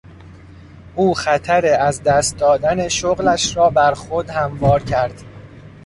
او خطر از دست دادن شغلش را بر خود هموار کرد.